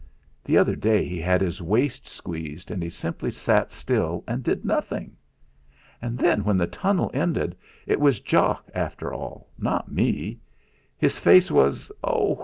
The other day he had his waist squeezed and he simply sat still and did nothing. And then when the tunnel ended, it was Jock after all, not me. His face was Oh! ah! ha!